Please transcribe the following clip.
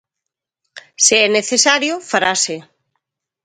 Se é necesario, farase.